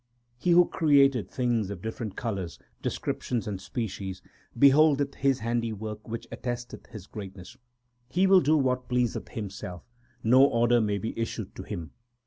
1 He who created things of different colours, descriptions, and species, Beholdeth His handiwork which attesteth His greatness. He will do what pleaseth Himself ; no order may be issued to Him.